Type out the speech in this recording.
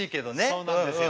そうなんですよ。